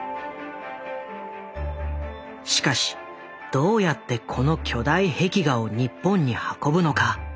しかしどうやってこの巨大壁画を日本に運ぶのか。